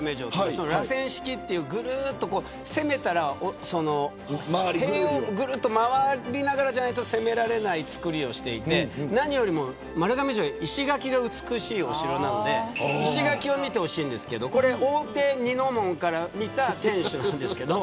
らせん式という塀をぐるっと回りながらじゃないと攻められない造りをしていて何よりも丸亀城石垣が美しいお城なので石垣を見てほしいんですけどこれ、大手二の門から見た天守なんです。